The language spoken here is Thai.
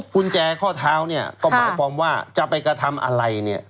กุญแจข้อเท้าเนี่ยก็หมายความว่าจะไปกระทำอะไรเนี่ย